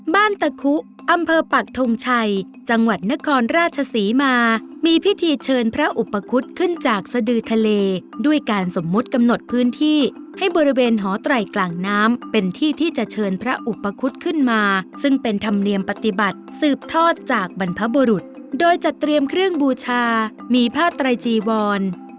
ตะคุอำเภอปักทงชัยจังหวัดนครราชศรีมามีพิธีเชิญพระอุปคุฎขึ้นจากสดือทะเลด้วยการสมมุติกำหนดพื้นที่ให้บริเวณหอไตรกลางน้ำเป็นที่ที่จะเชิญพระอุปคุฎขึ้นมาซึ่งเป็นธรรมเนียมปฏิบัติสืบทอดจากบรรพบุรุษโดยจัดเตรียมเครื่องบูชามีผ้าไตรจีวร